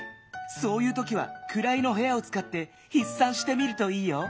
そういうときは「くらいのへや」をつかってひっさんしてみるといいよ。